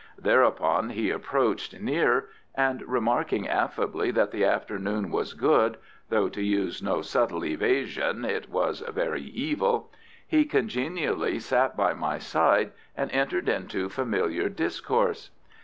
Thereupon he approached near, and remarking affably that the afternoon was good (though, to use no subtle evasion, it was very evil), he congenially sat by my side and entered into familiar discourse.